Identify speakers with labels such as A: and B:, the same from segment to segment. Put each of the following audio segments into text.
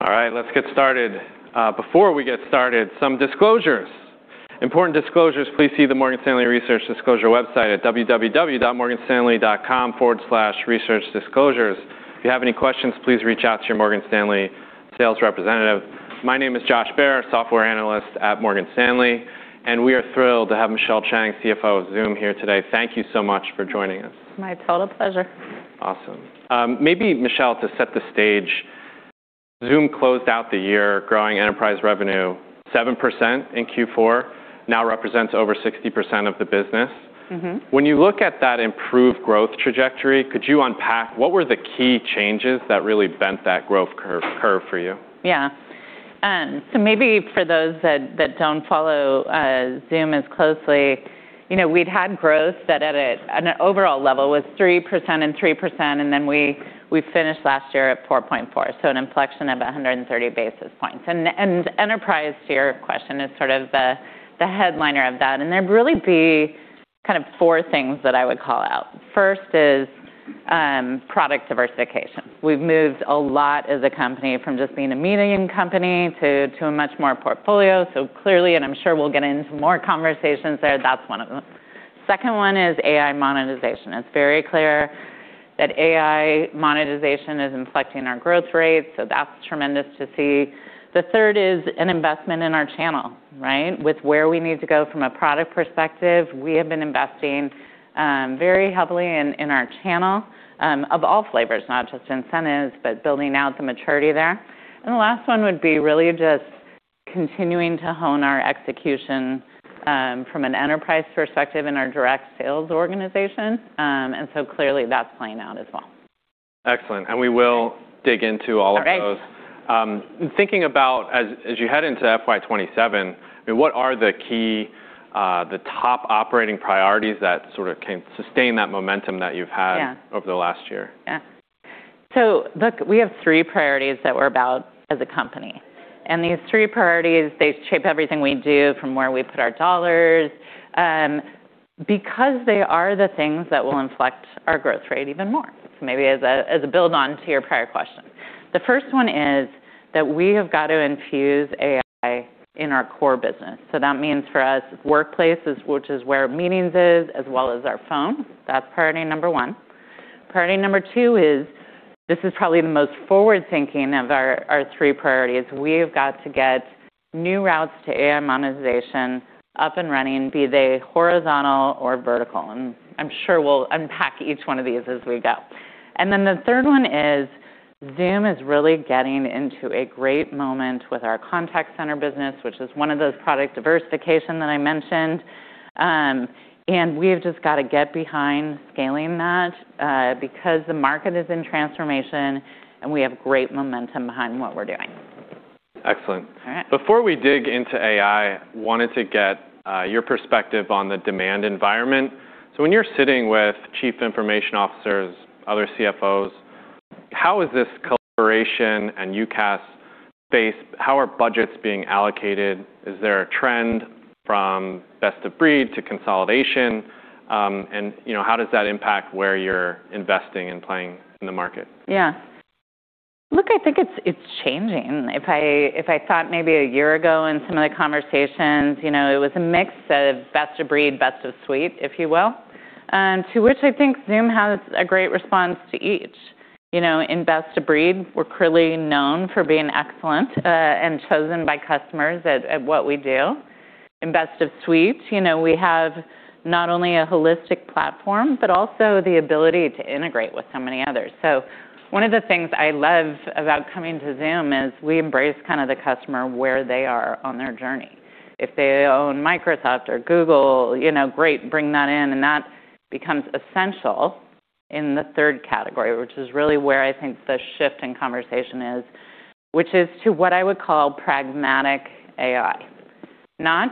A: All right, let's get started. Before we get started, some disclosures. Important disclosures, please see the Morgan Stanley Research Disclosure website at www.morganstanley.com/researchdisclosures. If you have any questions, please reach out to your Morgan Stanley sales representative. My name is Josh Behr, software analyst at Morgan Stanley, and we are thrilled to have Michelle Cheng, CFO of Zoom, here today. Thank you so much for joining us.
B: My total pleasure.
A: Awesome. Maybe Michelle, to set the stage, Zoom closed out the year growing enterprise revenue 7% in Q4, now represents over 60% of the business.
B: Mm-hmm.
A: You look at that improved growth trajectory, could you unpack what were the key changes that really bent that growth curve for you?
B: Yeah. Maybe for those that don't follow Zoom as closely, you know, we'd had growth that at an overall level was 3% and 3%, and then we finished last year at 4.4%, so an inflection of 130 basis points. Enterprise to your question is sort of the headliner of that. There'd really be kind of four things that I would call out. First is product diversification. We've moved a lot as a company from just being a meeting company to a much more portfolio. Clearly, and I'm sure we'll get into more conversations there, that's one of them. Second one is AI monetization. It's very clear that AI monetization is inflecting our growth rates, that's tremendous to see. The third is an investment in our channel, right? With where we need to go from a product perspective, we have been investing very heavily in our channel, of all flavors, not just incentives, but building out the maturity there. The last one would be really just continuing to hone our execution from an enterprise perspective in our direct sales organization. Clearly that's playing out as well.
A: Excellent. We will dig into all of those.
B: All right.
A: Thinking about as you head into FY27, I mean, what are the key operating priorities that sort of can sustain that momentum that you've had?
B: Yeah
A: over the last year?
B: Yeah. Look, we have three priorities that we're about as a company, and these threepriorities, they shape everything we do from where we put our dollars, because they are the things that will inflect our growth rate even more. Maybe as a build on to your prior question. The first one is that we have got to infuse AI in our core business. That means for us, workplace, which is where meetings is, as well as our phone. That's priority number one. Priority number two is, this is probably the most forward-thinking of our three priorities. We have got to get new routes to AI monetization up and running, be they horizontal or vertical. I'm sure we'll unpack each one of these as we go. The third one is Zoom is really getting into a great moment with our Contact Center business, which is one of those product diversification that I mentioned. We've just got to get behind scaling that because the market is in transformation and we have great momentum behind what we're doing.
A: Excellent.
B: All right.
A: Before we dig into AI, wanted to get your perspective on the demand environment. When you're sitting with chief information officers, other CFOs, how is this collaboration and UCaaS space, how are budgets being allocated? Is there a trend from best of breed to consolidation? You know, how does that impact where you're investing and playing in the market?
B: Yeah. Look, I think it's changing. If I, if I thought maybe a year ago in some of the conversations, you know, it was a mix of best of breed, best of suite, if you will, to which I think Zoom has a great response to each. You know, in best of breed, we're clearly known for being excellent, and chosen by customers at what we do. In best of suite, you know, we have not only a holistic platform, but also the ability to integrate with so many others. One of the things I love about coming to Zoom is we embrace kind of the customer where they are on their journey. If they own Microsoft or Google, you know, great, bring that in, and that becomes essential in the third category, which is really where I think the shift in conversation is, which is to what I would call pragmatic AI. Not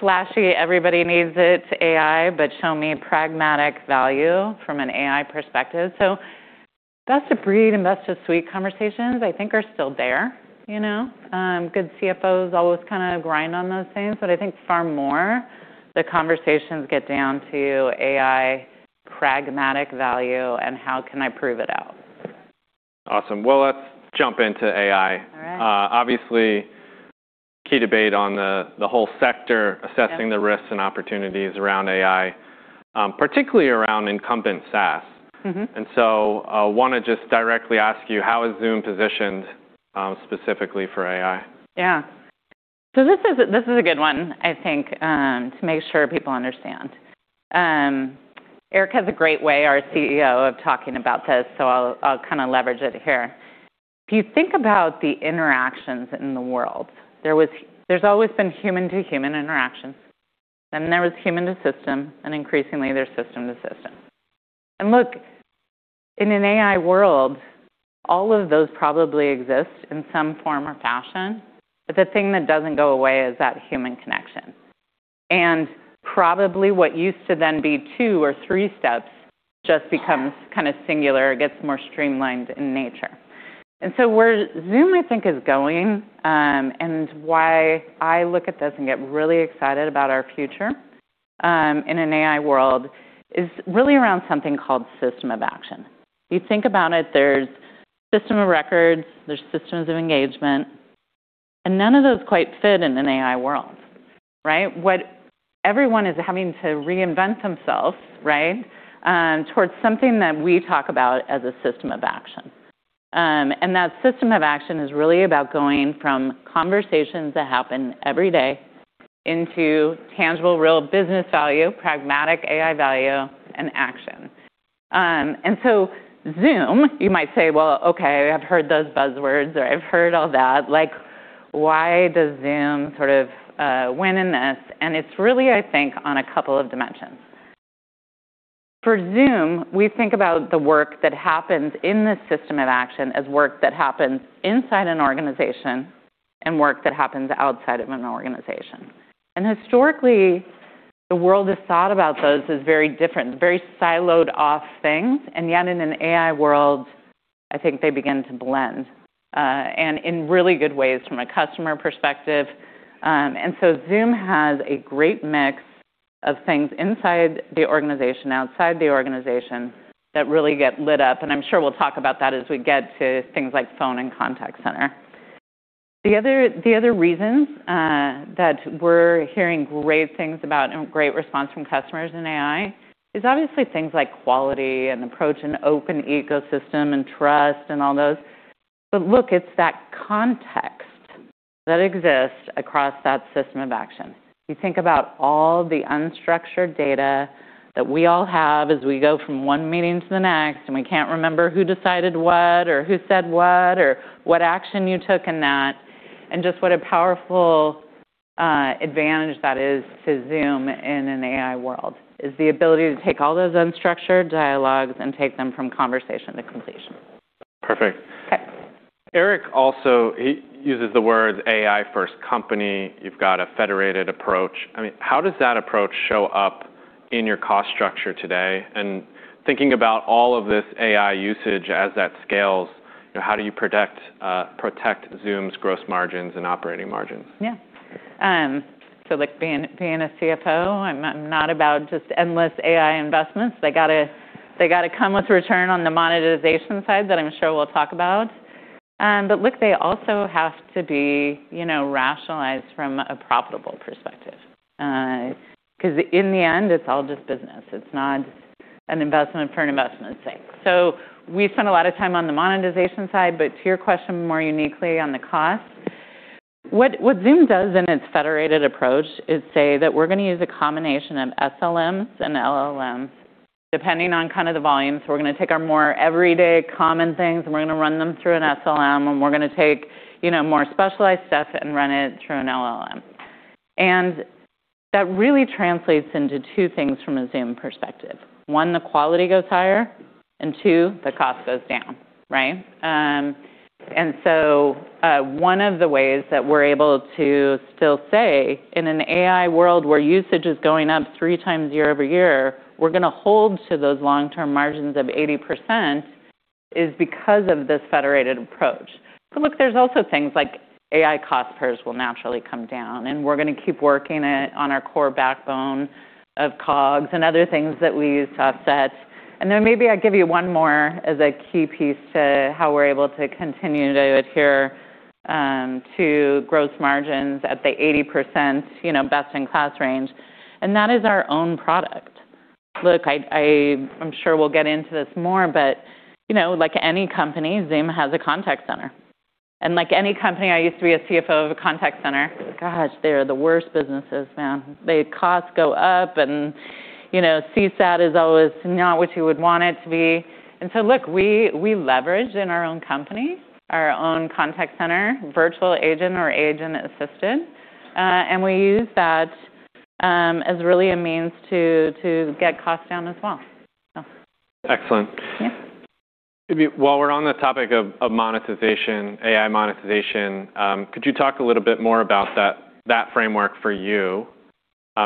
B: flashy, everybody needs it AI, but show me pragmatic value from an AI perspective. Best of breed and best of suite conversations I think are still there, you know. Good CFO always kinda grind on those things. I think far more the conversations get down to AI pragmatic value and how can I prove it out.
A: Awesome. Well, let's jump into AI.
B: All right.
A: obviously key debate on the whole sector.
B: Yeah...
A: assessing the risks and opportunities around AI, particularly around incumbent SaaS.
B: Mm-hmm.
A: Wanna just directly ask you, how is Zoom positioned, specifically for AI?
B: Yeah. This is, this is a good one, I think, to make sure people understand. Eric has a great way, our CEO, of talking about this, so I'll kinda leverage it here. If you think about the interactions in the world, there's always been human-to-human interactions, then there was human to system, and increasingly there's system to system. Look, in an AI world, all of those probably exist in some form or fashion, but the thing that doesn't go away is that human connection. Probably what used to then be two or three steps just becomes kinda singular. It gets more streamlined in nature. Where Zoom I think is going, and why I look at this and get really excited about our future. In an AI world is really around something called system of action. If you think about it, there's system of record, there's systems of engagement, and none of those quite fit in an AI world, right? What everyone is having to reinvent themselves, right? Towards something that we talk about as a system of action. That system of action is really about going from conversations that happen every day into tangible, real business value, pragmatic AI value, and action. Zoom, you might say, well, okay, I've heard those buzzwords or I've heard all that. Like, why does Zoom sort of win in this? It's really, I think, on a couple of dimensions. For Zoom, we think about the work that happens in this system of action as work that happens inside an organization and work that happens outside of an organization. Historically, the world has thought about those as very different, very siloed off things. Yet in an AI world, I think they begin to blend, and in really good ways from a customer perspective. Zoom has a great mix of things inside the organization, outside the organization that really get lit up. I'm sure we'll talk about that as we get to things like phone and contact center. The other reasons, that we're hearing great things about and great response from customers in AI is obviously things like quality and approach and open ecosystem and trust and all those. Look, it's that context that exists across that system of action. You think about all the unstructured data that we all have as we go from one meeting to the next. We can't remember who decided what or who said what or what action you took in that. Just what a powerful advantage that is to Zoom in an AI world, is the ability to take all those unstructured dialogues and take them from conversation to completion.
A: Perfect.
B: Okay.
A: Eric also, he uses the words AI-first company. You've got a federated approach. I mean, how does that approach show up in your cost structure today? Thinking about all of this AI usage as that scales, you know, how do you protect Zoom's gross margins and operating margins?
B: Yeah. Like being a CFO, I'm not about just endless AI investments. They gotta come with return on the monetization side that I'm sure we'll talk about. Look, they also have to be, you know, rationalized from a profitable perspective. 'Cause in the end, it's all just business. It's not an investment for an investment's sake. We spend a lot of time on the monetization side. To your question more uniquely on the cost, what Zoom does in its federated approach is say that we're gonna use a combination of SLMs and LLMs depending on kind of the volume. We're gonna take our more everyday common things, and we're gonna run them through an SLM, and we're gonna take, you know, more specialized stuff and run it through an LLM. That really translates into two things from a Zoom perspective. one, the quality goes higher, and two, the cost goes down, right? One of the ways that we're able to still say in an AI world where usage is going up three times year-over-year, we're gonna hold to those long-term margins of 80% is because of this federated approach. Look, there's also things like AI cost per se will naturally come down, and we're gonna keep working it on our core backbone of COGS and other things that we use to offset. Maybe I'll give you one more as a key piece to how we're able to continue to adhere to gross margins at the 80%, you know, best in class range, and that is our own product. Look, I'm sure we'll get into this more, but you know, like any company, Zoom has a contact center. Like any company, I used to be a CFO of a contact center. Gosh, they are the worst businesses, man. The costs go up, and, you know, CSAT is always not what you would want it to be. Look, we leverage in our own company, our own contact center, virtual agent or agent assist, and we use that as really a means to get costs down as well.
A: Excellent.
B: Yeah.
A: While we're on the topic of monetization, AI monetization, could you talk a little bit more about that framework for you?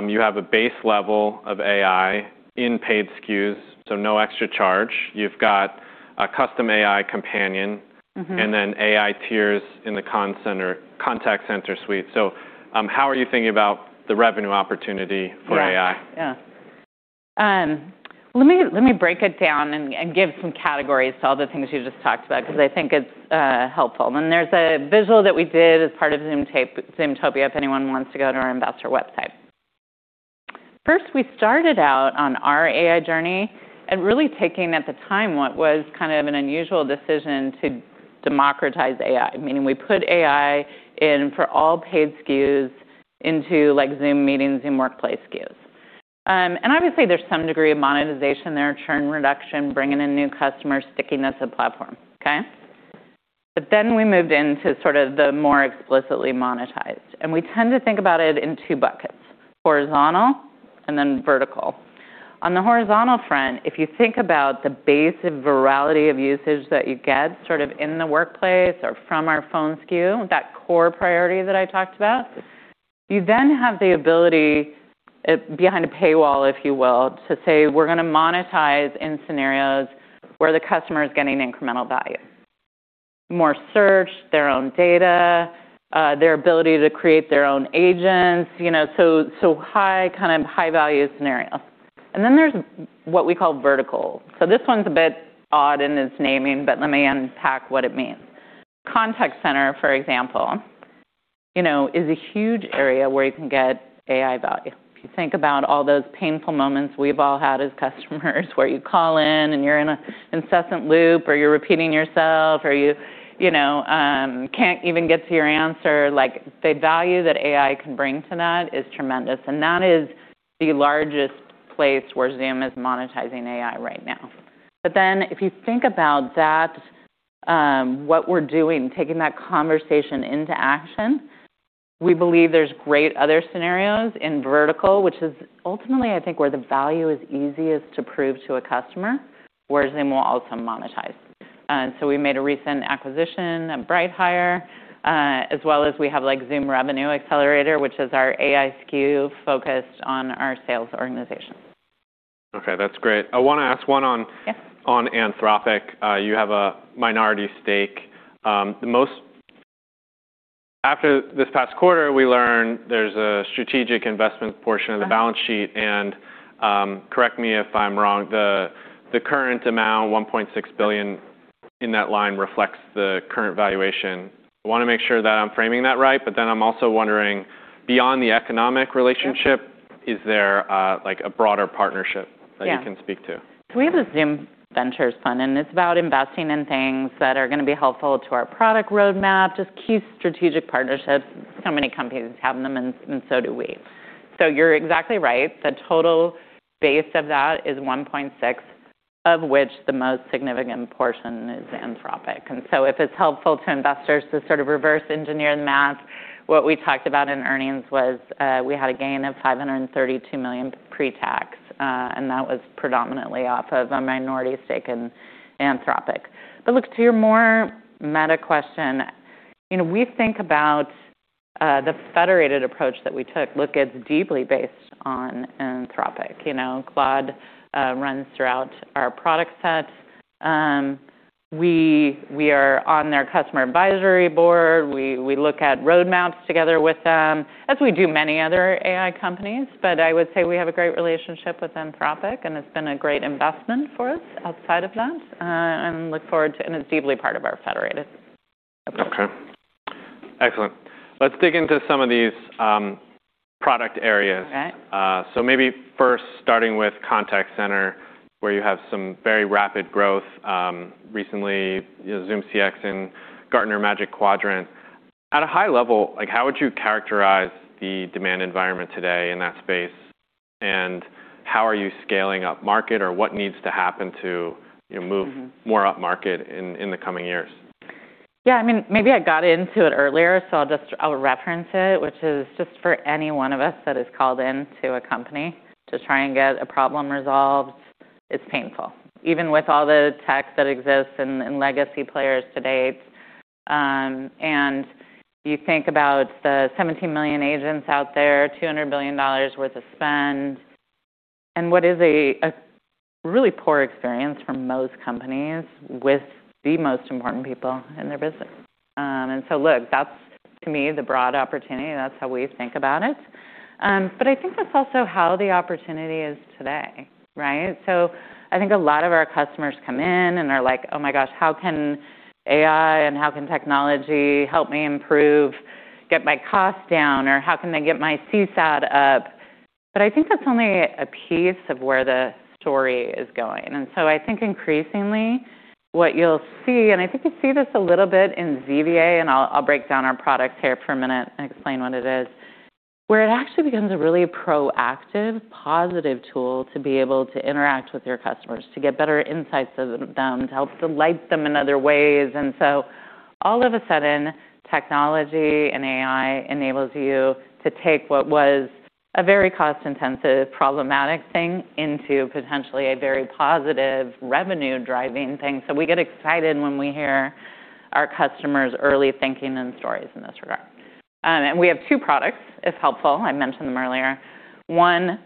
A: You have a base level of AI in paid SKUs, so no extra charge. You've got a custom AI Companion.
B: Mm-hmm.
A: AI tiers in the Contact Center suite. How are you thinking about the revenue opportunity for AI?
B: Yeah. Yeah. let me break it down and give some categories to all the things you just talked about because I think it's helpful. There's a visual that we did as part of Zoomtopia if anyone wants to go to our investor website. First, we started out on our AI journey and really taking at the time what was kind of an unusual decision to democratize AI, meaning we put AI in for all paid SKUs into like Zoom Meetings, Zoom Workplace SKUs. Obviously, there's some degree of monetization there, churn reduction, bringing in new customers, stickiness of platform. Okay? Then we moved into sort of the more explicitly monetized, and we tend to think about it in two buckets: horizontal and then vertical. On the horizontal front, if you think about the base virality of usage that you get sort of in the Workplace or from our phone SKU, that core priority that I talked about, you then have the ability, behind a paywall, if you will, to say, we're gonna monetize in scenarios where the customer is getting incremental value. More search, their own data, their ability to create their own agents, you know so high kind of high-value scenarios. There's what we call vertical. This one's a bit odd in its naming, but let me unpack what it means. Contact Center, for example, you know, is a huge area where you can get AI value. If you think about all those painful moments we've all had as customers where you call in and you're in a incessant loop, or you're repeating yourself, or you know, can't even get to your answer. Like the value that AI can bring to that is tremendous, and that is the largest place where Zoom is monetizing AI right now. If you think about that, what we're doing, taking that conversation into action, we believe there's great other scenarios in vertical, which is ultimately I think where the value is easiest to prove to a customer, where Zoom will also monetize. We made a recent acquisition at BrightHire, as well as we have like Zoom Revenue Accelerator, which is our AI SKU focused on our sales organization.
A: Okay, that's great. I wanna ask one.
B: Yeah.
A: On Anthropic. You have a minority stake. After this past quarter, we learned there's a strategic investment portion of the balance sheet. Correct me if I'm wrong, the current amount, $1.6 billion in that line reflects the current valuation. I want to make sure that I'm framing that right. I'm also wondering, beyond the economic relationship-
B: Yeah.
A: Is there, like, a broader partnership-?
B: Yeah.
A: That you can speak to?
B: We have a Zoom Ventures fund, and it's about investing in things that are gonna be helpful to our product roadmap, just key strategic partnerships. Many companies have them and so do we. You're exactly right. The total base of that is $1.6, of which the most significant portion is Anthropic. If it's helpful to investors to sort of reverse engineer the math, what we talked about in earnings was, we had a gain of $532 million pre-tax, and that was predominantly off of a minority stake in Anthropic. Look, to your more meta question, you know, we think about the federated approach that we took, look as deeply based on Anthropic. You know, Claude runs throughout our product set. We are on their customer advisory board. We look at roadmaps together with them as we do many other AI companies. I would say we have a great relationship with Anthropic, and it's been a great investment for us outside of that, and look forward to. It's deeply part of our federated approach.
A: Okay. Excellent. Let's dig into some of these product areas.
B: All right.
A: Maybe first starting with Contact Center, where you have some very rapid growth. Recently, you know, Zoom CX in Gartner Magic Quadrant. At a high level, like, how would you characterize the demand environment today in that space? How are you scaling up market, or what needs to happen to, you know.
B: Mm-hmm.
A: Move more upmarket in the coming years?
B: Yeah, I mean, maybe I got into it earlier, so I'll reference it, which is just for any one of us that has called into a company to try and get a problem resolved, it's painful. Even with all the tech that exists and legacy players to date, you think about the 17 million agents out there, $200 billion worth of spend, and what is a really poor experience for most companies with the most important people in their business. Look, that's to me the broad opportunity. That's how we think about it. I think that's also how the opportunity is today, right? I think a lot of our customers come in and they're like, "Oh my gosh, how can AI and how can technology help me improve, get my costs down, or how can I get my CSAT up?" I think that's only a piece of where the story is going. I think increasingly what you'll see, and I think you see this a little bit in ZVA, and I'll break down our product here for a minute and explain what it is, where it actually becomes a really proactive, positive tool to be able to interact with your customers, to get better insights of them, to help delight them in other ways. All of a sudden, technology and AI enables you to take what was a very cost-intensive, problematic thing into potentially a very positive revenue-driving thing. We get excited when we hear our customers' early thinking and stories in this regard. We have two products, if helpful. I mentioned them earlier. One,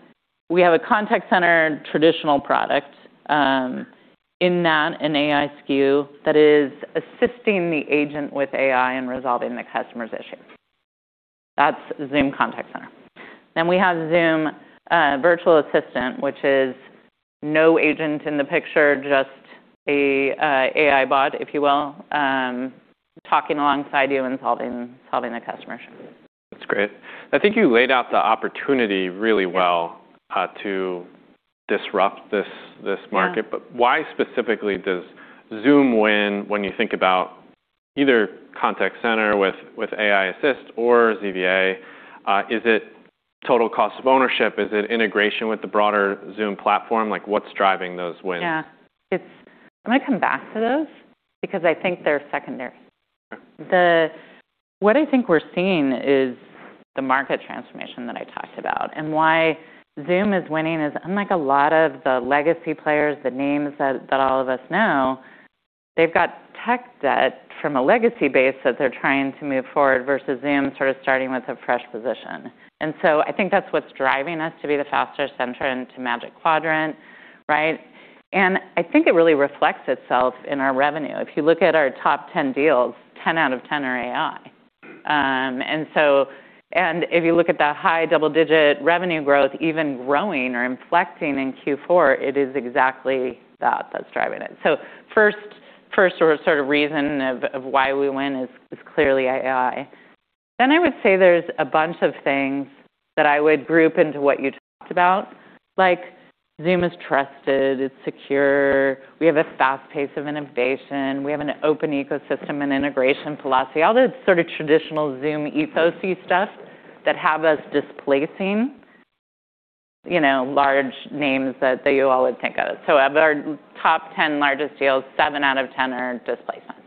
B: we have a contact center traditional product, in that, an AI SKU that is assisting the agent with AI in resolving the customer's issues. That's Zoom Contact Center. We have Zoom Virtual Assistant, which is no agent in the picture, just a AI bot, if you will, talking alongside you and solving the customer's issue.
A: That's great. I think you laid out the opportunity really well, to disrupt this market.
B: Yeah.
A: Why specifically does Zoom win when you think about either contact center with AI Assist or ZVA? Is it total cost of ownership? Is it integration with the broader Zoom platform? Like, what's driving those wins?
B: Yeah. I'm gonna come back to those because I think they're secondary.
A: Sure.
B: What I think we're seeing is the market transformation that I talked about, and why Zoom is winning is unlike a lot of the legacy players, the names that all of us know, they've got tech debt from a legacy base that they're trying to move forward versus Zoom sort of starting with a fresh position. I think that's what's driving us to be the fastest center into Magic Quadrant. Right? I think it really reflects itself in our revenue. If you look at our top 10 deals, 10 out of 10 are AI. If you look at the high double-digit revenue growth, even growing or inflecting in Q4, it is exactly that that's driving it. First sort of reason of why we win is clearly AI. I would say there's a bunch of things that I would group into what you talked about, like Zoom is trusted, it's secure, we have a fast pace of innovation, we have an open ecosystem and integration philosophy. All that sort of traditional Zoom ethos-y stuff that have us displacing, you know, large names that you all would think of. Of our top 10 largest deals, seven out of 10 are displacement.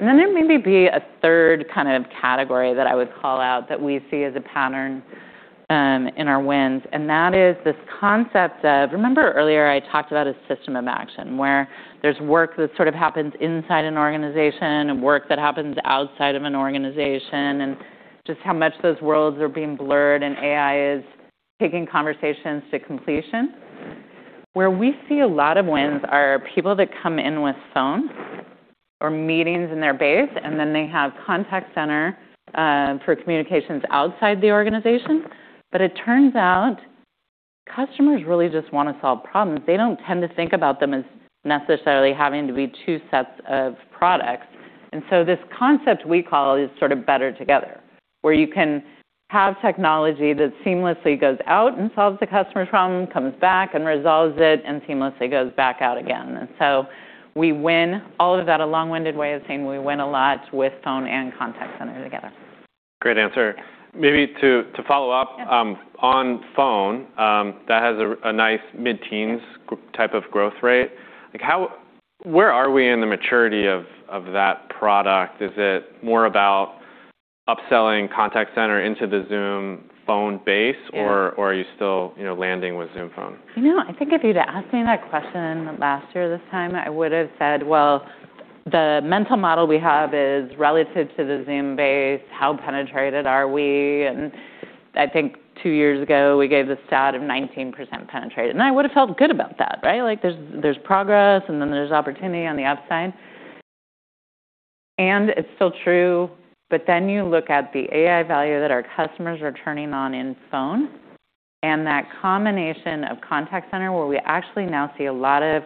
B: There maybe be a third kind of category that I would call out that we see as a pattern in our wins. That is this concept of... Remember earlier I talked about a system of action where there's work that sort of happens inside an organization and work that happens outside of an organization, and just how much those worlds are being blurred, and AI is taking conversations to completion. Where we see a lot of wins are people that come in with phone or meetings in their base, and then they have contact center for communications outside the organization. It turns out customers really just wanna solve problems. They don't tend to think about them as necessarily having to be two sets of products. This concept we call is sort of better together, where you can have technology that seamlessly goes out and solves the customer's problem, comes back and resolves it, and seamlessly goes back out again. We win. All of that a long-winded way of saying we win a lot with phone and contact center together.
A: Great answer. Maybe to follow up.
B: Yeah.
A: on Zoom Phone, that has a nice mid-teens type of growth rate. Like, where are we in the maturity of that product? Is it more about upselling Zoom Contact Center into the Zoom Phone?
B: Yeah.
A: Are you still, you know, landing with Zoom Phone?
B: You know, I think if you'd asked me that question last year this time, I would have said, "Well, the mental model we have is relative to the Zoom base, how penetrated are we?" I think two years ago, we gave the stat of 19% penetrated, and I would've felt good about that, right? Like, there's progress, and then there's opportunity on the upside. It's still true, but then you look at the AI value that our customers are turning on in phone, and that combination of Contact Center, where we actually now see a lot of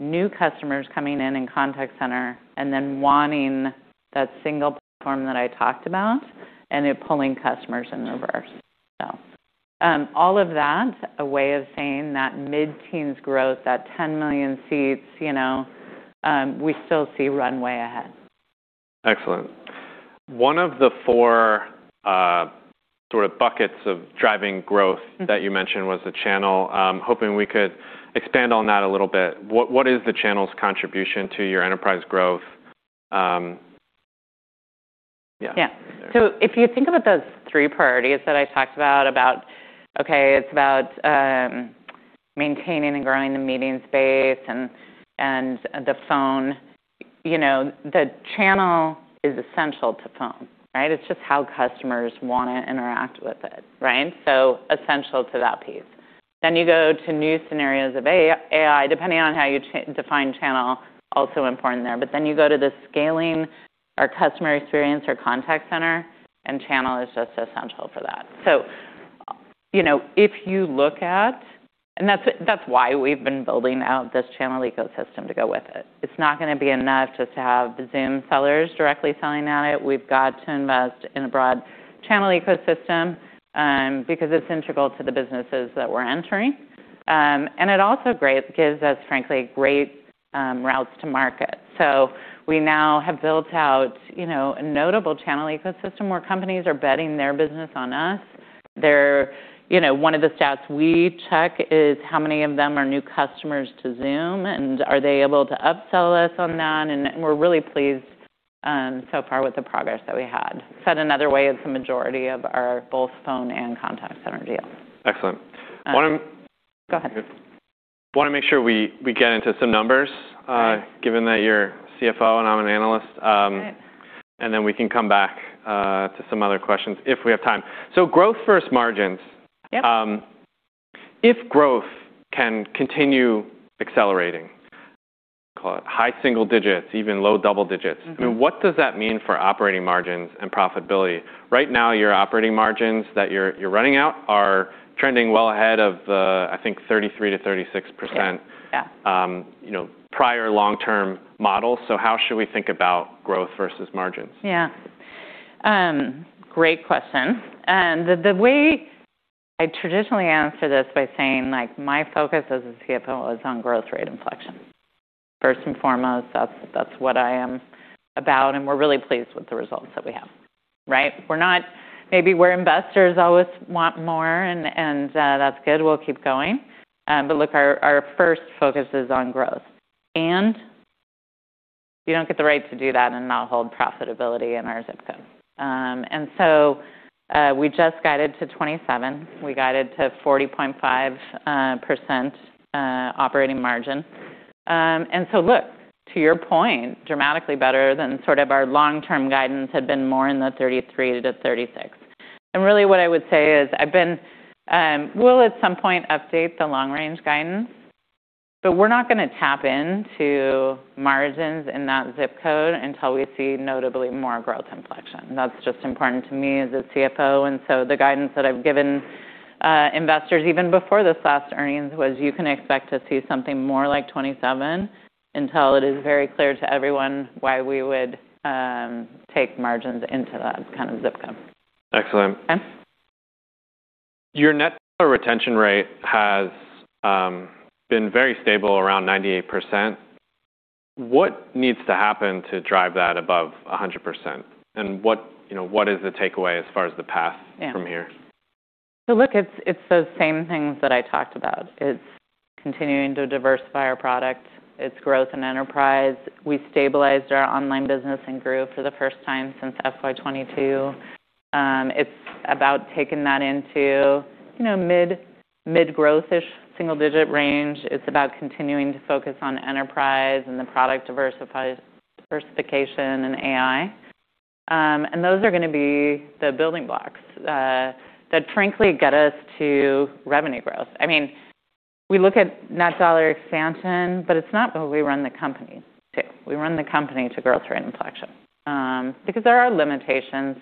B: new customers coming in in Contact Center and then wanting that single platform that I talked about, and they're pulling customers in reverse. All of that, a way of saying that mid-teens growth, that 10 million seats, you know, we still see runway ahead.
A: Excellent. One of the 4, sort of buckets of driving growth.
B: Mm-hmm.
A: that you mentioned was the channel. I'm hoping we could expand on that a little bit. What is the channel's contribution to your enterprise growth? Yeah.
B: If you think about those three priorities that I talked about, okay, it's about maintaining and growing the meeting space and the phone. You know, the channel is essential to phone, right? It's just how customers wanna interact with it, right? Essential to that piece. You go to new scenarios of AI, depending on how you define channel, also important there. You go to the scaling our customer experience or contact center, and channel is just essential for that. You know, that's why we've been building out this channel ecosystem to go with it. It's not gonna be enough just to have Zoom sellers directly selling at it. We've got to invest in a broad channel ecosystem because it's integral to the businesses that we're entering. It also gives us, frankly, great routes to market. We now have built out, you know, a notable channel ecosystem where companies are betting their business on us. You know, one of the stats we check is how many of them are new customers to Zoom, and are they able to upsell us on that, and we're really pleased so far with the progress that we had. Said another way, it's the majority of our both Phone and Contact Center deals.
A: Excellent. Wanna-
B: Go ahead.
A: Wanna make sure we get into some numbers.
B: All right.
A: given that you're CFO and I'm an analyst.
B: Right.
A: We can come back to some other questions if we have time. Growth versus margins.
B: Yep.
A: If growth can continue accelerating, call it high single digits, even low double digits.
B: Mm-hmm.
A: What does that mean for operating margins and profitability? Right now, your operating margins that you're running out are trending well ahead of the, I think, 33%-36%...
B: Yeah. Yeah.
A: You know, prior long-term model. How should we think about growth versus margins?
B: Yeah. great question. The way I traditionally answer this by saying, like, my focus as a CFO is on growth rate inflection. First and foremost, that's what I am about, and we're really pleased with the results that we have, right? Maybe where investors always want more, that's good, we'll keep going. Look, our first focus is on growth. You don't get the right to do that and not hold profitability in our ZIP code. We just guided to 27%. We guided to 40.5% operating margin. Look, to your point, dramatically better than sort of our long-term guidance had been more in the 33%-36%. Really what I would say is I've been, we'll at some point update the long range guidance, but we're not gonna tap into margins in that ZIP code until we see notably more growth inflection. That's just important to me as a CFO. The guidance that I've given investors even before this last earnings was you can expect to see something more like 27% until it is very clear to everyone why we would take margins into that kind of ZIP code.
A: Excellent.
B: Okay.
A: Your Net Dollar Retention rate has been very stable around 98%. What needs to happen to drive that above 100%? What, you know, what is the takeaway as far as the path?
B: Yeah.
A: from here?
B: Look, it's those same things that I talked about. It's continuing to diversify our product, it's growth and enterprise. We stabilized our online business and grew for the first time since FY22. It's about taking that into, you know, mid-growth-ish single-digit range. It's about continuing to focus on enterprise and the product diversification and AI. Those are gonna be the building blocks that frankly get us to revenue growth. I mean, we look at Net Dollar Expansion, but it's not how we run the company too. We run the company to growth rate inflection, because there are limitations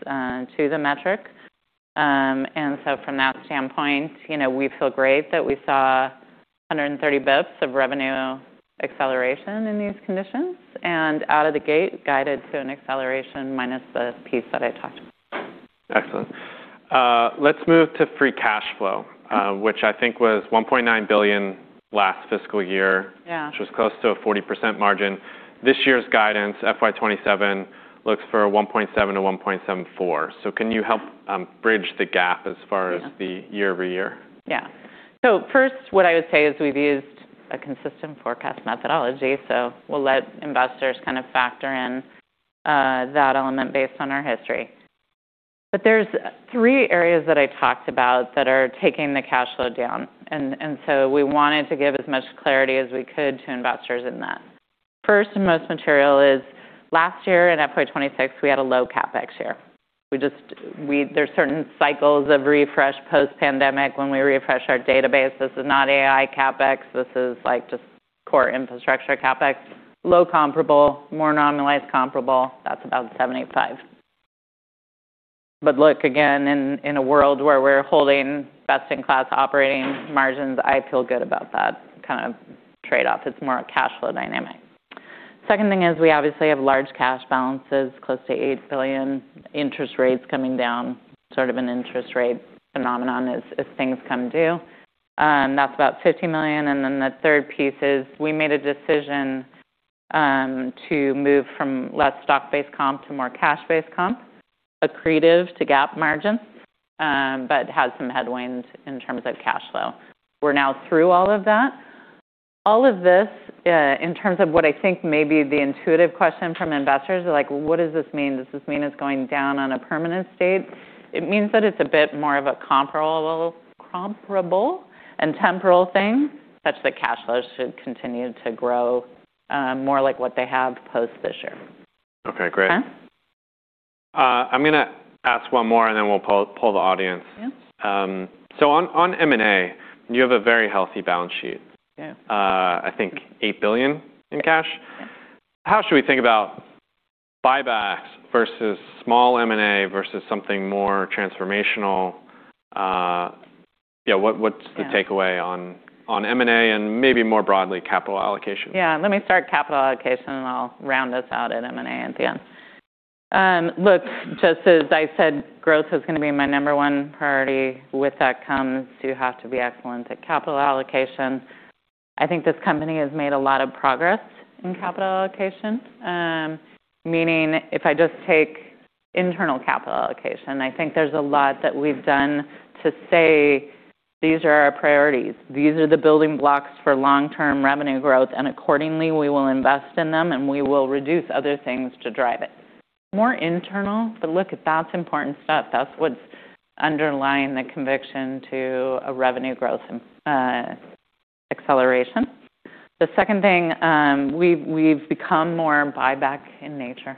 B: to the metric. From that standpoint, you know, we feel great that we saw 130 basis points of revenue acceleration in these conditions, and out of the gate guided to an acceleration minus the piece that I talked about.
A: Excellent. Let's move to free cash flow.
B: Mm-hmm.
A: which I think was $1.9 billion last fiscal year.
B: Yeah.
A: Which was close to a 40% margin. This year's guidance, FY27, looks for 1.7 to 1.74. Can you help bridge the gap as far as.
B: Yeah.
A: the year-over-year?
B: Yeah. First, what I would say is we've used a consistent forecast methodology, so we'll let investors kind of factor in that element based on our history. There's 3 areas that I talked about that are taking the cash flow down. We wanted to give as much clarity as we could to investors in that. First and most material is last year in FY26, we had a low CapEx year. There's certain cycles of refresh post-pandemic when we refresh our database. This is not AI CapEx, this is, like, just core infrastructure CapEx. Low comparable, more normalized comparable, that's about $785. Look, again, in a world where we're holding best-in-class operating margins, I feel good about that kind of trade-off. It's more a cash flow dynamic. Second thing is we obviously have large cash balances, close to $8 billion, interest rates coming down, sort of an interest rate phenomenon as things come due. That's about $50 million. The third piece is we made a decision to move from less stock-based comp to more cash-based comp, accretive to GAAP margins, but has some headwinds in terms of cash flow. We're now through all of that. All of this, in terms of what I think may be the intuitive question from investors, they're like, "Well, what does this mean? Does this mean it's going down on a permanent state?" It means that it's a bit more of a comparable and temporal thing, such that cash flows should continue to grow more like what they have post this year.
A: Okay, great.
B: Okay.
A: I'm gonna ask one more, and then we'll poll the audience.
B: Yeah.
A: On M&A, you have a very healthy balance sheet.
B: Yeah.
A: I think $8 billion in cash.
B: Yeah.
A: How should we think about buybacks versus small M&A versus something more transformational? Yeah.
B: Yeah.
A: the takeaway on M&A and maybe more broadly, capital allocation?
B: Yeah. Let me start capital allocation, and I'll round this out at M&A at the end. Look, just as I said, growth is gonna be my number one priority. With that comes, you have to be excellent at capital allocation. I think this company has made a lot of progress in capital allocation. Meaning if I just take internal capital allocation, I think there's a lot that we've done to say, "These are our priorities. These are the building blocks for long-term revenue growth, and accordingly, we will invest in them, and we will reduce other things to drive it." More internal, but look, that's important stuff. That's what's underlying the conviction to a revenue growth and acceleration. The second thing, we've become more buyback in nature.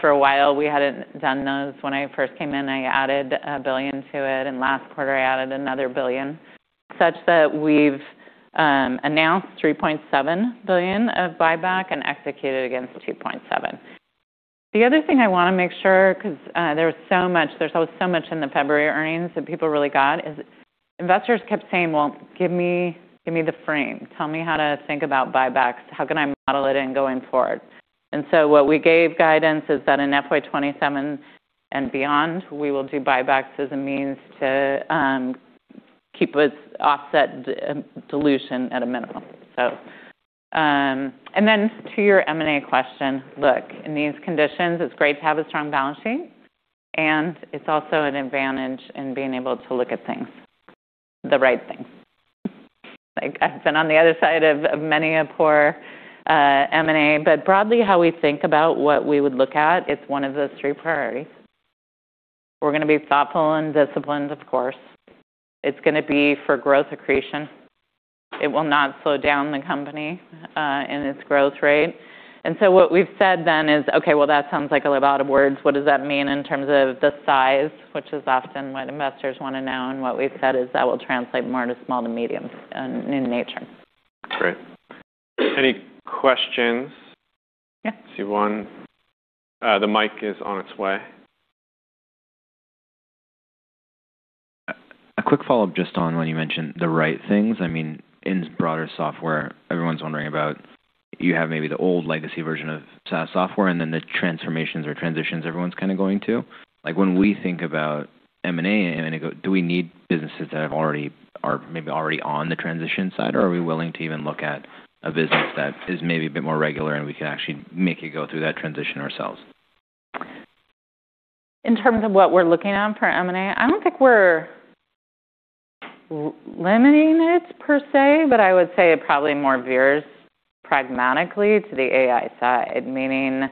B: For a while, we hadn't done those. When I first came in, I added $1 billion to it, and last quarter, I added another $1 billion, such that we've announced $3.7 billion of buyback and executed against $2.7 billion. The other thing I wanna make sure, 'cause there was so much there's always so much in the February earnings that people really got, is investors kept saying, "Well, give me, give me the frame. Tell me how to think about buybacks. How can I model it in going forward?" What we gave guidance is that in FY27 and beyond, we will do buybacks as a means to keep with offset dilution at a minimum. Then to your M&A question. Look, in these conditions, it's great to have a strong balance sheet, and it's also an advantage in being able to look at things, the right things. Like, I've been on the other side of many a poor M&A, broadly how we think about what we would look at, it's one of those three priorities. We're gonna be thoughtful and disciplined, of course. It's gonna be for growth accretion. It will not slow down the company and its growth rate. What we've said then is, okay, well, that sounds like a lot of words. What does that mean in terms of the size? Which is often what investors wanna know. What we've said is that will translate more to small to mediums in nature.
A: Great. Any questions?
B: Yeah.
A: I see one. The mic is on its way.
C: A quick follow-up just on when you mentioned the right things. I mean, in broader software, everyone's wondering about you have maybe the old legacy version of SaaS software and then the transformations or transitions everyone's kinda going to. Like, when we think about M&A, I mean, do we need businesses that are maybe already on the transition side, or are we willing to even look at a business that is maybe a bit more regular, and we can actually make it go through that transition ourselves?
B: In terms of what we're looking at for M&A, I don't think we're limiting it per se, but I would say it probably more veers pragmatically to the AI side, meaning,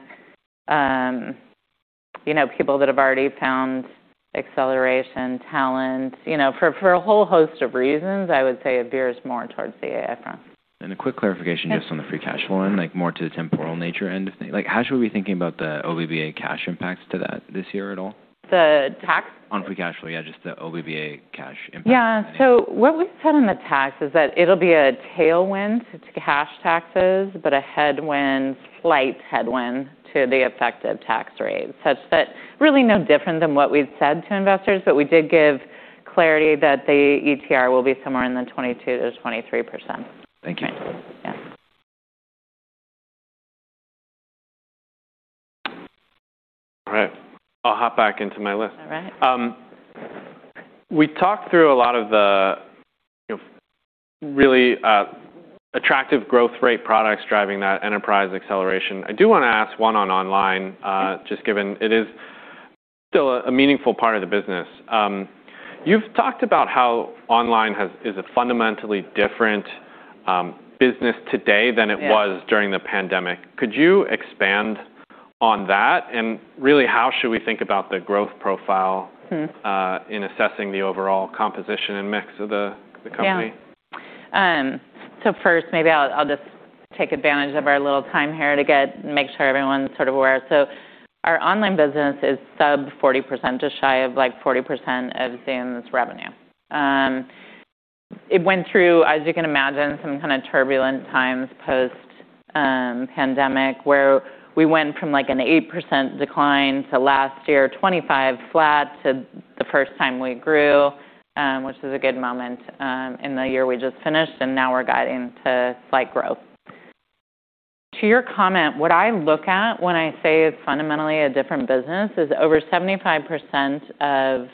B: you know, people that have already found acceleration, talent. You know, for a whole host of reasons, I would say it veers more towards the AI front.
C: A quick clarification.
B: Yeah.
C: Just on the free cash flow end, like more to the temporal nature end of things. Like, how should we be thinking about the OIBDA cash impacts to that this year at all?
B: The tax?
C: On free cash flow, yeah, just the OIBDA cash impact.
B: Yeah. What we said on the tax is that it'll be a tailwind to cash taxes, but a headwind, slight headwind to the effective tax rate, such that really no different than what we've said to investors. We did give clarity that the ETR will be somewhere in the 22%-23%.
C: Thank you.
B: Yeah.
A: All right. I'll hop back into my list.
B: All right.
A: We talked through a lot of the, you know, really attractive growth rate products driving that enterprise acceleration. I do wanna ask one.
B: Yeah.
A: Just given it is still a meaningful part of the business. You've talked about how online is a fundamentally different business today than it was.
B: Yeah.
A: during the pandemic. Could you expand on that? Really how should we think about the growth profile-
B: Mm-hmm.
A: in assessing the overall composition and mix of the company?
B: Yeah. First maybe I'll just take advantage of our little time here to make sure everyone's sort of aware. Our online business is sub 40%, just shy of, like, 40% of Zoom's revenue. It went through, as you can imagine, some kinda turbulent times post, pandemic, where we went from, like, an 8% decline to last year, 25% flat to the first time we grew, which is a good moment in the year we just finished, and now we're guiding to slight growth. To your comment, what I look at when I say it's fundamentally a different business is over 75% of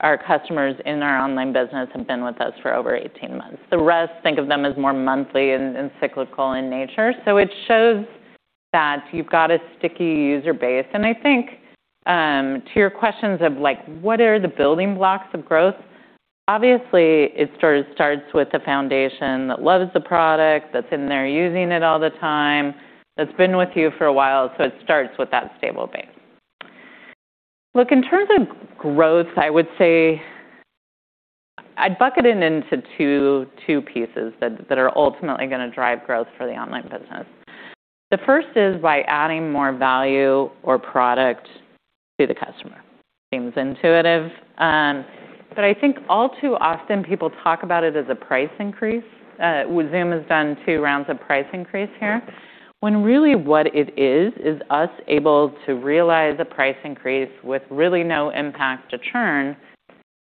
B: our customers in our online business have been with us for over 18 months. The rest, think of them as more monthly and cyclical in nature. It shows that you've got a sticky user base. I think, to your questions of, like, what are the building blocks of growth, obviously it sort of starts with a foundation that loves the product, that's in there using it all the time, that's been with you for a while, so it starts with that stable base. In terms of growth, I would say I'd bucket it into two pieces that are ultimately gonna drive growth for the online business. The first is by adding more value or product to the customer. Seems intuitive, but I think all too often people talk about it as a price increase, Zoom has done two rounds of price increase here, when really what it is us able to realize a price increase with really no impact to churn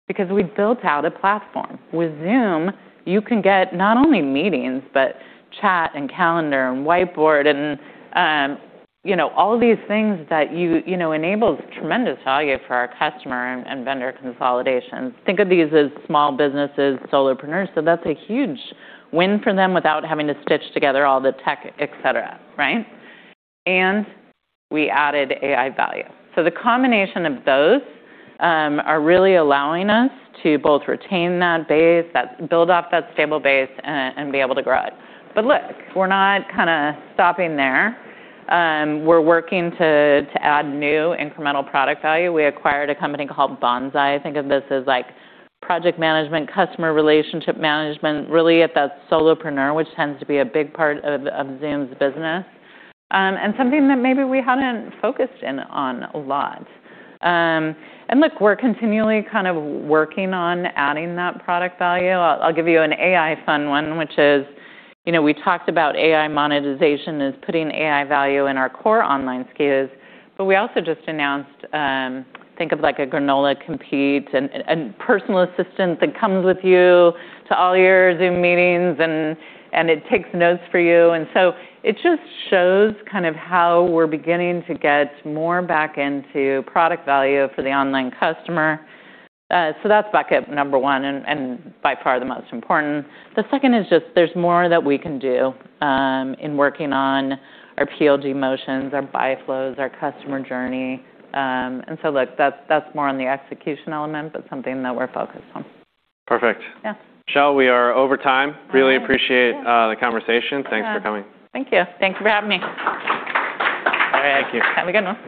B: because we've built out a platform. With Zoom, you can get not only meetings, but chat and calendar and whiteboard and, you know, all these things that you know, enables tremendous value for our customer and vendor consolidations. Think of these as small businesses, solopreneurs, so that's a huge win for them without having to stitch together all the tech, et cetera, right? We added AI value. The combination of those are really allowing us to both retain that base, build off that stable base and be able to grow it. Look, we're not kinda stopping there. We're working to add new incremental product value. We acquired a company called Bonsai. Think of this as, like, project management, customer relationship management, really at that solopreneur, which tends to be a big part of Zoom's business, and something that maybe we haven't focused in on a lot. Look, we're continually kind of working on adding that product value. I'll give you an AI fun one, which is, you know, we talked about AI monetization as putting AI value in our core online SKUs. We also just announced, think of, like, a Granola compete and personal assistant that comes with you to all your Zoom Meetings and it takes notes for you. It just shows kind of how we're beginning to get more back into product value for the online customer. That's bucket number one and by far the most important. The second is just there's more that we can do, in working on our PLG motions, our buy flows, our customer journey. Look, that's more on the execution element, but something that we're focused on.
A: Perfect.
B: Yeah.
A: Michelle, we are over time.
B: All right.
A: Really appreciate-
B: Yeah.,
A: the conversation.
B: Yeah.
A: Thanks for coming.
B: Thank you. Thanks for having me.
A: Thank you.
B: Have a good one.